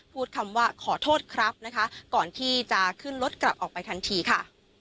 พูดคำว่าขอโทษครับนะคะก่อนที่จะขึ้นรถกลับออกไปทันทีค่ะ